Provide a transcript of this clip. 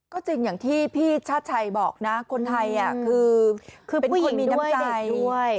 ก็จริงอย่างที่พี่ชาติชัยบอกนะคนไทยคือเป็นผู้หญิงมีน้ำใจด้วย